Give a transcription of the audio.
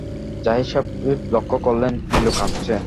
জাহিদ সাহেব লক্ষ্য করলেন, নীলু কাঁদছে।